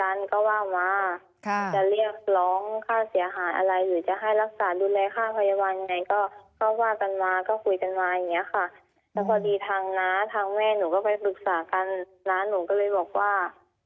เอายังไงก็ก็พูดกันก็ว่าว่าจะเรียกร้องค่าเสียหายอะไรหรือจะให้รักษาดูแลค่าพยาบาลยังไงก็ว่ากันมาก็คุยกันมาอย่างเนี้ยค่ะแล้วพอดีทางน้าทางแม่หนูก็ไปฝึกษากันน้าหนูก็เลยบอกว่า